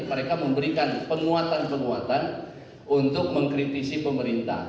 mereka memberikan penguatan penguatan untuk mengkritisi pemerintah